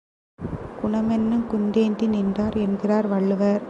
குணமென்னுங் குன்றேறி நின்றார் என்கிறார் வள்ளுவர்.